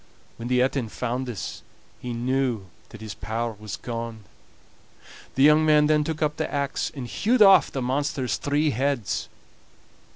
When the Etin found this he knew that his power was gone. The young man then took up the axe and hewed off the monster's three heads.